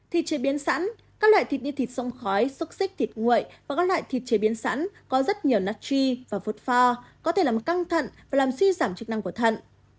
thịt chế biến sẵn các loại thịt như thịt sông khói xúc xích thịt nguội và các loại thịt chế biến sẵn có rất nhiều natchi và vượt pha có thể làm căng thẳng và làm suy giảm chức năng của thận